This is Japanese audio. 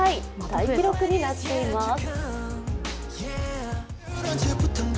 大記録になっています。